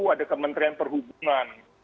ada kementerian perhubungan